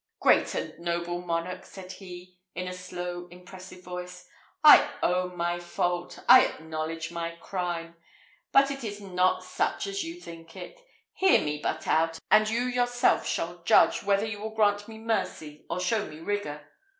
"Great and noble monarch!" said he, in a slow, impressive voice, "I own my fault I acknowledge my crime; but it is not such as you think it. Hear me but out, and you yourself shall judge whether you will grant me mercy or show me rigour.